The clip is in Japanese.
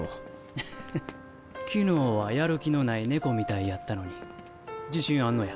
ははっ昨日はやる気のない猫みたいやったのに自信あんのや。